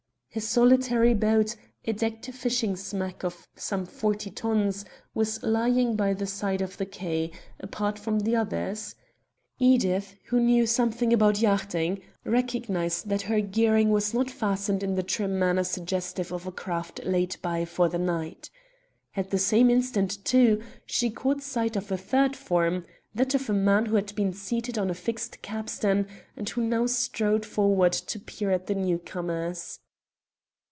A solitary boat, a decked fishing smack of some forty tons, was lying by the side of the quay, apart from the others. Edith, who knew something about yachting, recognized that her gearing was not fastened in the trim manner suggestive of a craft laid by for the night. At the same instant, too, she caught sight of a third form that of a man who had been seated on a fixed capstan, and who now strode forward to peer at the newcomers.